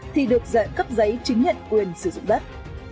thì được dạy cấp giấy chứng nhận quyền sử dụng đất